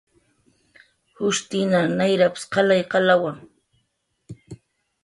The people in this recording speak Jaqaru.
" jushtinan nayrp"" qalay qalawa"